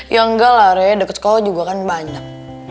ya enggak lah area deket sekolah juga kan banyak